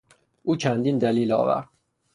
او چندین دلیل آورد.